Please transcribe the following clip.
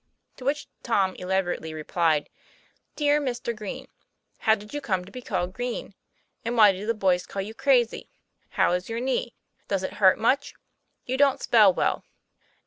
To which Tom elaborately replied: DEAR MISTER GREEN: How did you come to be called green? and why do the boys call you crazy ? How is your knee ? does it hurt much ? You TOM PLAYFAIR. 63 don't spell well.